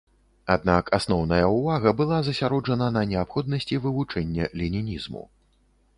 Аднак асноўная ўвага была засяроджана на неабходнасці вывучэння ленінізму.